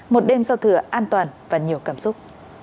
một đêm giao thừa an toàn và nhiều cảm xúc